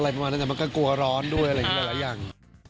อะไรประมาณนั้นมันก็กลัวร้อนด้วยอะไรอย่าง